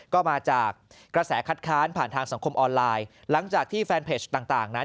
ก็มาจากกระแสคัดค้านผ่านทางสังคมออนไลน์หลังจากที่แฟนเพจต่างนั้น